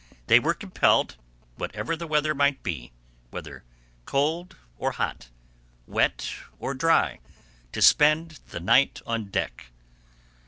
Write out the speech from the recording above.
They were compelled, whatever the weather might be,—whether cold or hot, wet or dry,—to spend the night on deck.